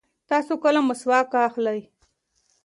تاسو کله مسواک اخلئ؟